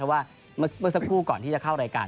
ว่าเมื่อสักครู่ก่อนที่จะเข้ารายการ